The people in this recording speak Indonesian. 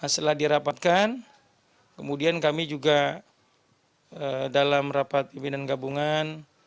setelah dirapatkan kemudian kami juga dalam rapat pimpinan gabungan